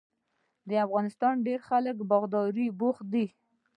د افغانستان ډیری خلک په باغدارۍ بوخت دي.